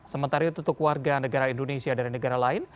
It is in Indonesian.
sementara itu untuk warga negara indonesia dari negara lain